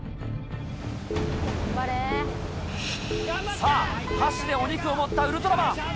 さぁ箸でお肉を持ったウルトラマン。